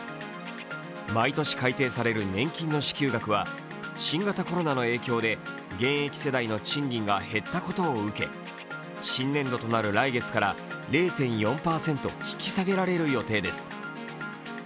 毎年改定される年金の支給額は新型コロナの影響で現役世代の賃金が減ったことを受け新年度となる来月から０．４％引き下げられる予定です。